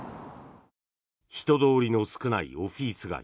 人通りの少ないオフィス街。